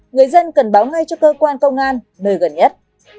người dân cần báo ngay cho cơ quan công an nơi gần nhất